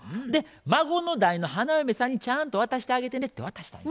「孫の代の花嫁さんにちゃんと渡してあげてね」って渡したんや。